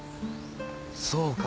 そうか？